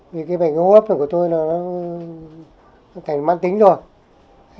vì cái bệnh hô hấp của tôi nó thành mạng tính rồi